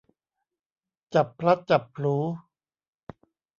จับพลัดจับผลู